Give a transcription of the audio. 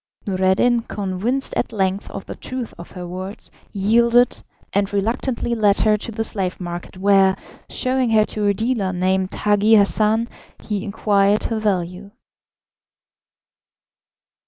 Noureddin, convinced at length of the truth of her words, yielded, and reluctantly led her to the slave market, where, showing her to a dealer named Hagi Hassan, he inquired her value.